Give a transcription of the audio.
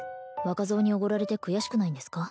若造におごられて悔しくないんですか？